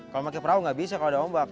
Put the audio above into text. kalau pakai perahu nggak bisa kalau ada ombak